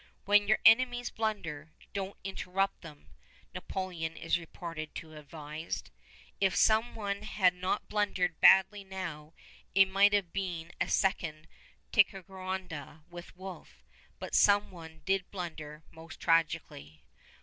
"When your enemies blunder, don't interrupt them," Napoleon is reported to have advised. If some one had not blundered badly now, it might have been a second Ticonderoga with Wolfe; but some one did blunder most tragically.